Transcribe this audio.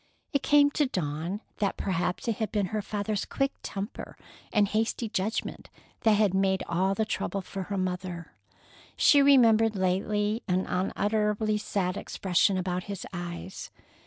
It came to Dawn that perhaps it had been her father's quick temper and hasty judgment that had made all the trouble for her mother. She remembered lately an unutterably sad expression about his eyes.